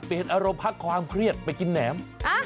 อารมณ์พักความเครียดไปกินแหนม